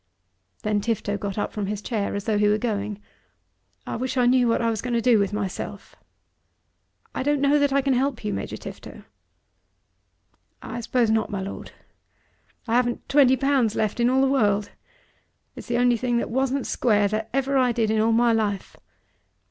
Then Tifto got up from his chair, as though he were going. "I wish I knew what I was going to do with myself." "I don't know that I can help you, Major Tifto." "I suppose not, my Lord. I haven't twenty pounds left in all the world. It's the only thing that wasn't square that ever I did in all my life.